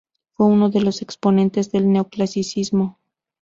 Fue uno de los exponentes del neoclasicismo.